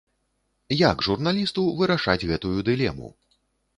Як журналісту вырашаць гэтую дылему?